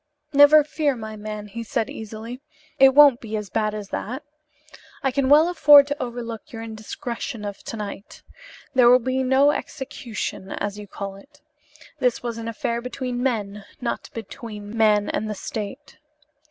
"Never fear, my man," he said easily, "it won't be as bad as that. I can well afford to overlook your indiscretion of to night. There will be no execution, as you call it. This was an affair between men not between man and the state.